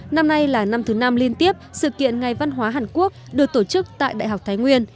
năm nay là năm thứ năm liên tiếp sự kiện ngày văn hóa hàn quốc được tổ chức tại đại học thái nguyên